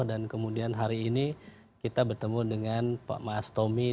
dan kemudian hari ini kita bertemu dengan pak mas tommy